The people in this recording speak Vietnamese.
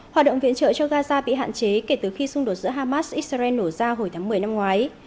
hoạt động viện trợ cho gaza bị hạn chế kể từ khi xung đột giữa hamas israel nổ ra hồi tháng một mươi năm ngoái